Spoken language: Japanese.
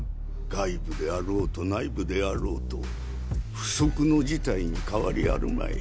外部であろうと内部であろうと不測の事態に変わりあるまい。